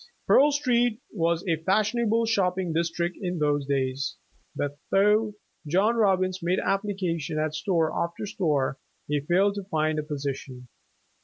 Pearl Street wa« a fashionable shopping district in those days, but though John Robbins made application at store after store, he failed to find a position.